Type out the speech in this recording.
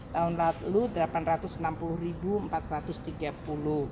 tahun lalu rp delapan ratus enam puluh empat ratus tiga puluh